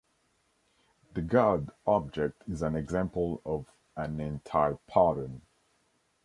The God object is an example of an anti-pattern.